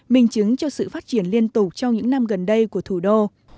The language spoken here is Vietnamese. minh chứng cho sự phát triển liên tục trong những năm gần đây của thủ đô